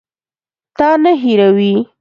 تا نه هېروي.